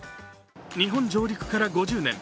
日本上陸から５０年。